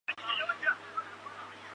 治所约在今越南乂安省南坛县境内。